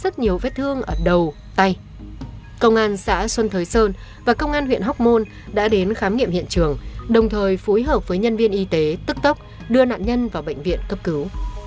công an xã xuân thới sơn và công an huyện hóc môn đã đến khám nghiệm hiện trường đồng thời phối hợp với nhân viên y tế tức tốc đưa nạn nhân vào bệnh viện cấp cứu